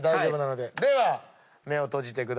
では目を閉じてください。